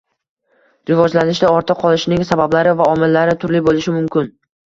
rivojlanishda ortda qolishining sabablari va omillari turli bo‘lishi mumkin.